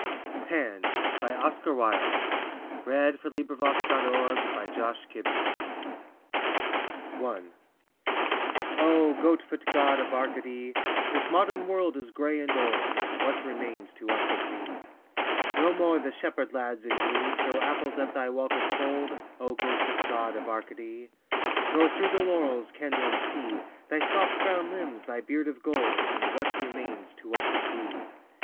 I J . K L . M N . O P . Q R . S T . U V . W X . Y Z Pan double villanelle 1. O GOAT FOOT God of Arcady! This modern world is grey and old, And what remains to us of thee? No more the shepherd lads in glee Throw apples at thy wattled fold, O goat foot God of Arcady! Nor through the laurels can one see Thy soft brown limbs, thy beard of gold, And what remains to us of thee?